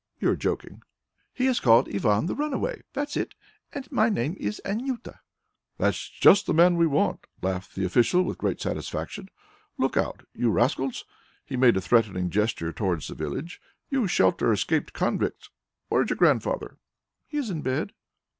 "You are joking." "He is called Ivan the Runaway. That's it. And my name is Anjuta." "That's just the man we want," laughed the official with great satisfaction. "Look out, you rascals" he made a threatening gesture towards the village "you shelter escaped convicts. Where is your grandfather?" "He is in bed."